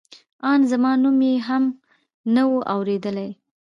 ان زما نوم یې هم نه و اورېدلی.